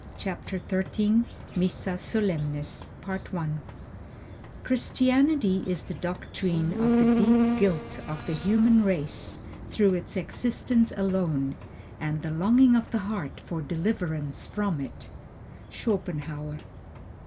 CHAPTER XIII MISSA SOLEMNIS Christianity is the doctrine of the deep guilt of the human race through its existence alone, and the longing of the heart for deliverance from it. SCHOPENHAUER.